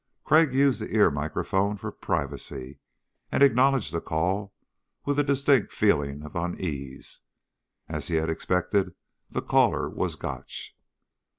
Crag used the ear microphones for privacy and acknowledged the call with a distinct feeling of unease. As he had expected, the caller was Gotch.